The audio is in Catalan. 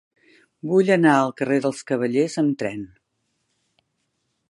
Vull anar al carrer dels Cavallers amb tren.